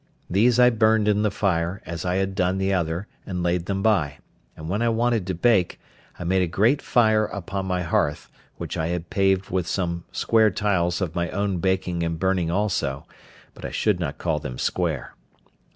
These I burned in the fire, as I had done the other, and laid them by; and when I wanted to bake, I made a great fire upon my hearth, which I had paved with some square tiles of my own baking and burning also; but I should not call them square.